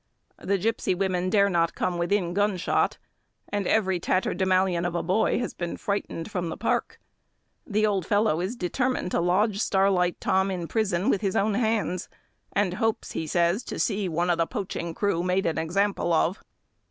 The gipsy women dare not come within gunshot, and every tatterdemallion of a boy has been frightened from the park. The old fellow is determined to lodge Starlight Tom in prison with his own hands; and hopes, he says, to see one of the poaching crew made an example of.